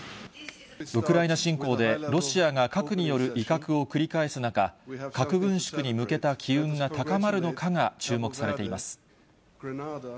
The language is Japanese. ウクライナ侵攻で、ロシアが核による威嚇を繰り返す中、核軍縮に向けた機運が高まるのかが注目されています。